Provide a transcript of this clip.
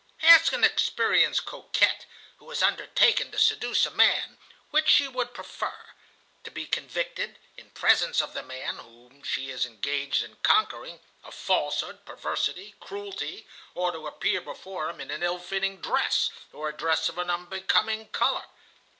"Ask an experienced coquette, who has undertaken to seduce a man, which she would prefer,—to be convicted, in presence of the man whom she is engaged in conquering, of falsehood, perversity, cruelty, or to appear before him in an ill fitting dress, or a dress of an unbecoming color.